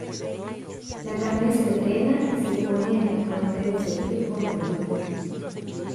La carne se drena y se pone en la fuente de servir con verdura.